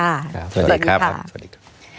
สวัสดีค่ะสวัสดีค่ะ